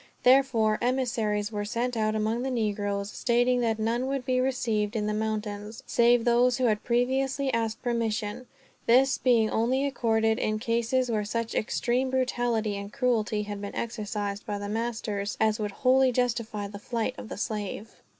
Therefore, emissaries were sent out among the negroes, stating that none would be received, in the mountains, save those who had previously asked permission; this being only accorded in cases where such extreme brutality and cruelty had been exercised, by the masters, as would wholly justify the flight of the slave.